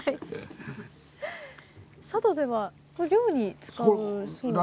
佐渡では漁に使うそうですね。